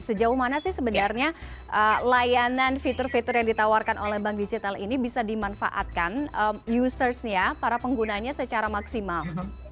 sejauh mana sih sebenarnya layanan fitur fitur yang ditawarkan oleh bank digital ini bisa dimanfaatkan usersnya para penggunanya secara maksimal